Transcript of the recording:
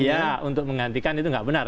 iya untuk menggantikan itu nggak benar